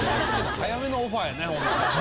・早めのオファーやね。